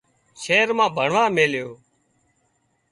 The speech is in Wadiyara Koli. شهر مان ڀڻوا ميليو